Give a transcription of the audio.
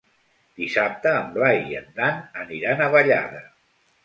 Dissabte en Blai i en Dan aniran a Vallada.